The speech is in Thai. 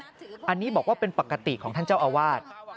อันนี้บอกว่าเป็นปกติของท่านเจ้าอาวาส